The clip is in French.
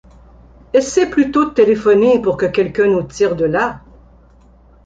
Essaie plutôt de téléphoner pour que quelqu’un nous tire de là !